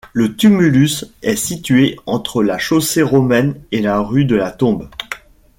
Le tumulus est situé entre la chaussée romaine et la rue de la Tombe.